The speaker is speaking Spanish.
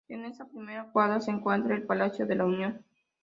En esa primera cuadra se encuentra el Palacio de la Unión.